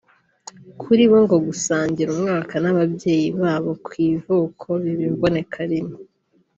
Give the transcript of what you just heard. Kuri bo ngo gusangira umwaka n’ababyeyi babo ku ivuko biba imbonekarimwe